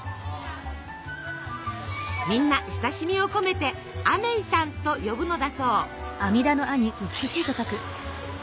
みんな親しみを込めてアメイさんと呼ぶのだそう。